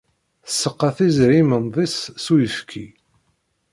Tseqqa Tiziri imendi-is s uyefki.